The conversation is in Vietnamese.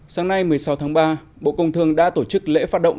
sáng nay một mươi sáu tháng ba bộ công thương đã tổ chức lễ phát động